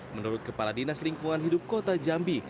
menurut kepala dinas lingkungan hidup kota jambi